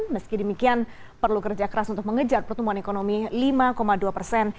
meski demikian perlu kerja keras untuk mengejar pertumbuhan ekonomi lima dua persen